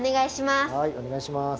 おねがいします！